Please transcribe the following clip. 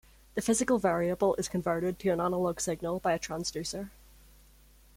The physical variable is converted to an analog signal by a transducer.